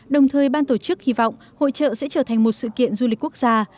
đồng thời ban tổ chức hy vọng hội trợ sẽ trở thành một sự kiện du lịch quốc gia